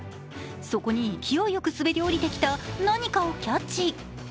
そこに勢いよく滑り降りてきた何かをキャッチ。